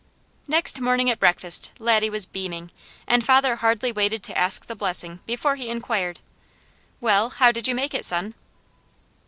Next morning at breakfast Laddie was beaming, and father hardly waited to ask the blessing before he inquired: "Well, how did you make it, son?"